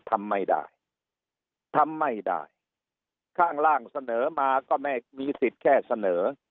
ทำไม่ได้ทำไม่ได้ข้างล่างเสนอมาก็ไม่มีสิทธิ์แค่เสนอ